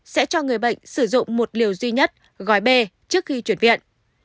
sẽ cho người bệnh sử dụng một liều duy nhất gói b trước khi chuyển viện